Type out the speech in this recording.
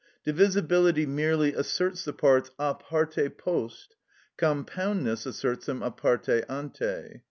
Divisibility merely asserts the parts a parte post; compoundness asserts them a parte ante.